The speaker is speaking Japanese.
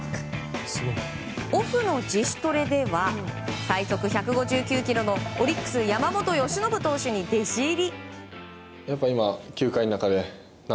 オフの自主トレでは最速１５９キロのオリックス山本由伸投手に弟子入り。